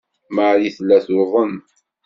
Marie tella tuḍen.